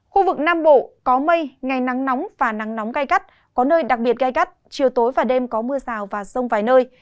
khu vực nam bộ có mây ngày nắng nóng và nắng nóng gai gắt có nơi đặc biệt gai gắt chiều tối và đêm có mưa rào và rông vài nơi